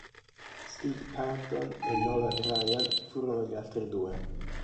Steve Carlton e Nolan Ryan furono gli altri due.